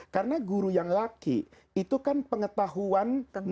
karena guru yang laki itu kan pengetahuan normatif